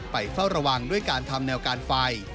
เฝ้าระวังด้วยการทำแนวการไฟ